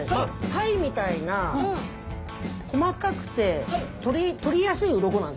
タイみたいな細かくて取りやすい鱗なんですね。